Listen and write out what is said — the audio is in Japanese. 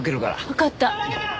わかった。